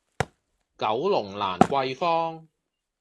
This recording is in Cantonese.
九龍蘭桂坊